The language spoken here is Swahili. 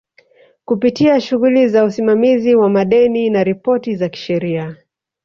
kupitia shughuli za usimamizi wa madeni na ripoti za kisheria